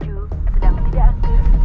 nih udah gieng banget green